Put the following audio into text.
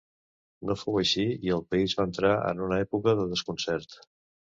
No fou així i el país entrà en una època de desconcert.